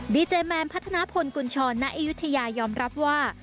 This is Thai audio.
ดีเจแมนพัฒนาพลกุญชรณอายุทยายอมรับว่า